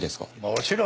もちろん。